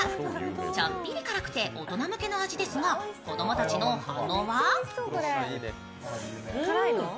ちょっぴり辛くて大人向けの味ですが、子供たちの反応は？